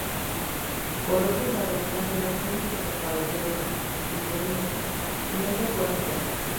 Por otro lado, las relaciones con los caballeros livonios nunca fueron buenas.